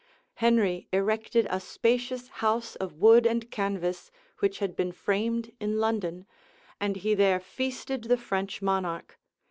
Henry erected a spacious house of wood and canvas, which had been framed in London; and he there feasted the French monarch.